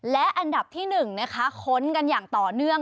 และอันดับที่๑นะคะค้นกันอย่างต่อเนื่อง